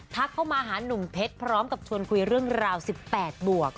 เข้ามาหานุ่มเพชรพร้อมกับชวนคุยเรื่องราว๑๘บวก